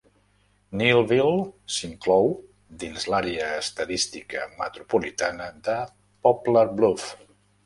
Neelyville s'inclou dins l'àrea estadística metropolitana de Poplar Bluf.